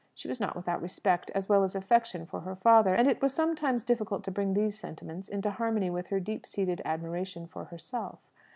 She was not without respect as well as affection for her father; and it was sometimes difficult to bring these sentiments into harmony with her deep seated admiration for herself.